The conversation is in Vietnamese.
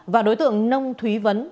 và đối tượng nông thúy vấn